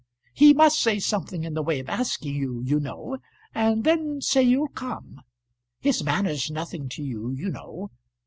"He must say something in the way of asking you, you know, and then say you'll come. His manner's nothing to you, you know.